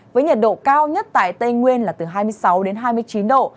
với nhiệt độ cao nhất tại tây nguyên là từ hai mươi sáu đến hai mươi chín độ